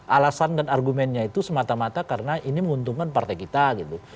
alasan dan argumennya itu semata mata karena ini menguntungkan partai kita gitu